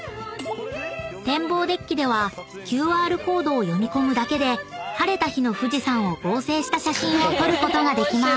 ［展望デッキではＱＲコードを読み込むだけで晴れた日の富士山を合成した写真を撮ることができます］